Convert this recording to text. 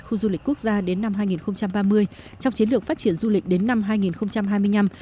khu du lịch quốc gia đến năm hai nghìn ba mươi trong chiến lược phát triển du lịch đến năm hai nghìn hai mươi năm